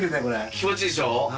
気持ちいいでしょ？